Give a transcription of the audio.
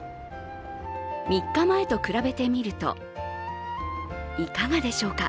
３日前と比べてみると、いかがでしょうか。